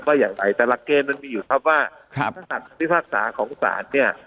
ว่าอย่างไรแต่หลักเกณฑ์มันมีอยู่ครับว่าถ้าสารพิพากษาของศาลเนี่ย